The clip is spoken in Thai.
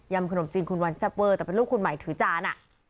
ขนมจีนคุณวันแซเปอร์แต่เป็นลูกคุณใหม่ถือจานอ่ะ